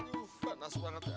aduh panas banget ya